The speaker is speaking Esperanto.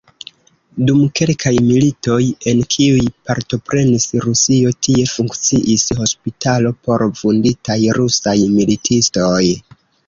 Dum kelkaj militoj, en kiuj partoprenis Rusio, tie funkciis hospitalo por vunditaj rusaj militistoj.